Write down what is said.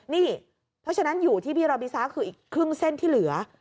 นี่เพราะฉะนั้นอยู่ที่พี่รอบิซ้าคืออีกครึ่งเส้นที่เหลือ